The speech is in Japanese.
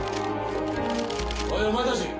おいお前たち！